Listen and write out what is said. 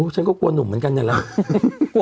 ฉันก็กลัวหนุ่มเหมือนกันนี่แหละ